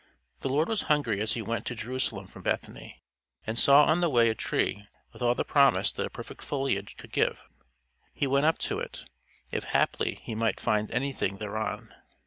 The Lord was hungry as he went to Jerusalem from Bethany, and saw on the way a tree with all the promise that a perfect foliage could give. He went up to it, "if haply he might find anything thereon."